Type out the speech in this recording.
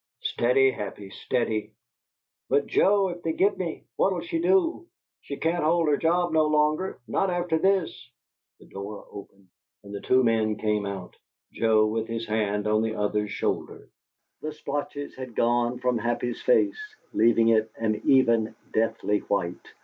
"STEADY, HAPPY, STEADY!" "But, Joe, if they git me, what'll she do? She can't hold her job no longer not after this...." The door opened, and the two men came out, Joe with his hand on the other's shoulder. The splotches had gone from Happy's face, leaving it an even, deathly white.